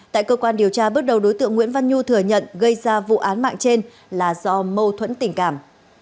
tại cơ quan điều tra bước đầu đối tượng nguyễn văn nhu thừa nhận gây ra vụ án mạng trên là do mâu thuẫn tình cảm